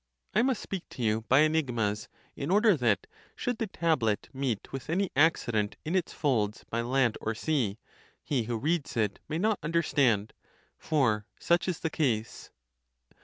I must speak to you by enigmas, 4in order that, should the tablet meet with any accident in its folds by land or sea, he who reads it may not understand.* For such is the case.